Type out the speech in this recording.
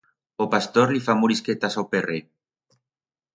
O pastor li fa morisquetas a o perret.